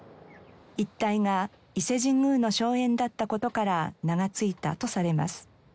一帯が伊勢神宮の荘園だった事から名が付いたとされます。